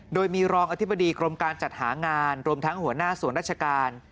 โดยมีรองอธิบดีกรมการจัดหางานรวมทั้งหัวหน้าส่วนราชการ